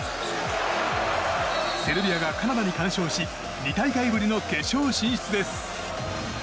セルビアがカナダに完勝し２大会ぶりの決勝進出です。